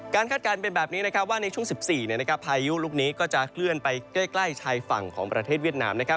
คาดการณ์เป็นแบบนี้นะครับว่าในช่วง๑๔พายุลูกนี้ก็จะเคลื่อนไปใกล้ชายฝั่งของประเทศเวียดนามนะครับ